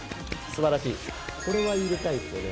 これは入れたいですよね